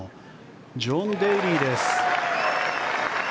ジョン・デイリーです。